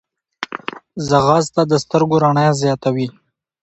ځغاسته د سترګو رڼا زیاتوي